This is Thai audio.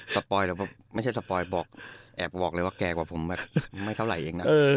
สปอยด์หรอไม่ใช่สปอยด์แอบบอกเลยว่าแกกว่าผมไม่เท่าไหร่เองนะ